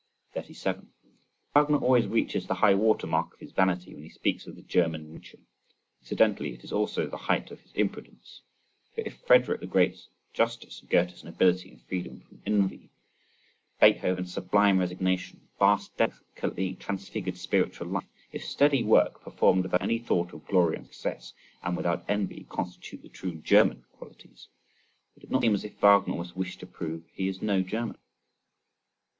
37. Wagner always reaches the high water mark of his vanity when he speaks of the German nature (incidentally it is also the height of his imprudence); for, if Frederick the Great's justice, Goethe's nobility and freedom from envy, Beethoven's sublime resignation, Bach's delicately transfigured spiritual life,—if steady work performed without any thought of glory and success, and without envy, constitute the true German qualities, would it not seem as if Wagner almost wished to prove he is no German?